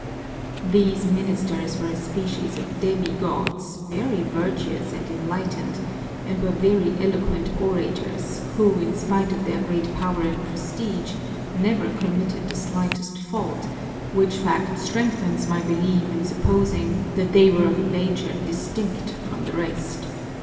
These ministers were a species of demigods, very virtuous and enlightened, and were very eloquent orators, who, in spite of their great power and prestige, never committed the slightest fault, which fact strengthens my belief in supposing that they were of a nature distinct from the rest.